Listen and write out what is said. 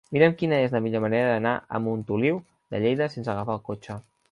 Mira'm quina és la millor manera d'anar a Montoliu de Lleida sense agafar el cotxe.